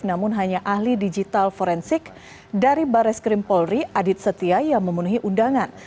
namun hanya ahli digital forensik dari bares krim polri adit setia yang memenuhi undangan